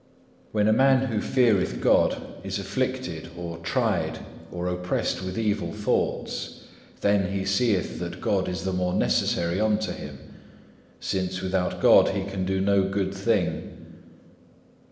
When a man who feareth God is afflicted or tried or oppressed with evil thoughts, then he seeth that God is the more necessary unto him, since without God he can do no good thing.